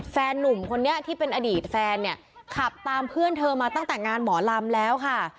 หนุ่มคนนี้ที่เป็นอดีตแฟนเนี่ยขับตามเพื่อนเธอมาตั้งแต่งานหมอลำแล้วค่ะ